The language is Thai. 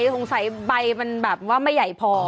สงสัยใบมันแบบว่าไม่ใหญ่พอ